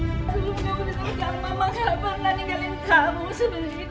aku belum pernah menikah sama mama kenapa pernah ninggalin kamu sebelum ini